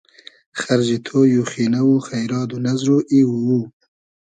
خئرجی تۉی و خینۂ و خݷراد و نئزر و ای و او